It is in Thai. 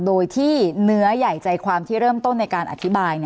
โดยที่เนื้อใหญ่ใจความที่เริ่มต้นในการอธิบาย